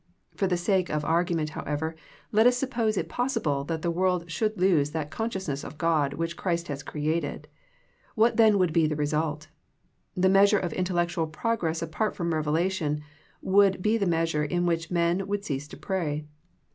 For the sake of argument, however, let us suppose it possible that the world should lose that consciousness of God which Christ has created, what then would be the result ? The measure of intellectual progress apart from revelation would be the measure in which men would cease to pray.